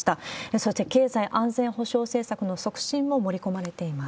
そして、経済安全保障政策の促進も盛り込まれています。